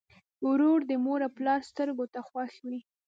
ورور د مور او پلار سترګو ته خوښ وي.